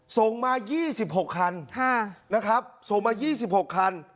ส่งมายี่สิบหกคันค่ะนะครับส่งมายี่สิบหกคัน